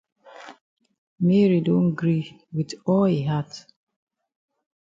Mary don gree wit all yi heart.